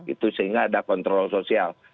itu sehingga ada kontrol sosial